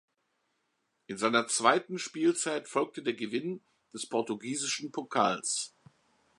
In seiner zweiten Spielzeit folgte der Gewinn des portugiesischen Pokals.